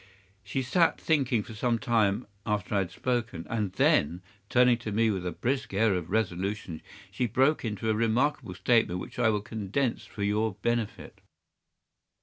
She sat thinking for some time after I had spoken, and then, turning to me with a brisk air of resolution, she broke into a remarkable statement which I will condense for your benefit.